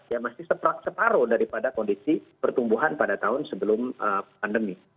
ya masih separuh daripada kondisi pertumbuhan pada tahun sebelum pandemi